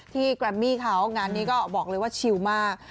แกรมมี่เขางานนี้ก็บอกเลยว่าชิลมาก